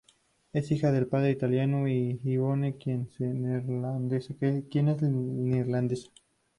Es hija de padre italiano y de Yvonne, quien es neerlandesa.